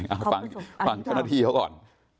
เอาฟังเจ้าหน้าที่เขาก่อน